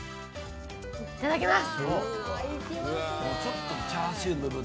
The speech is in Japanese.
いただきます！